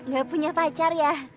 gak punya pacar ya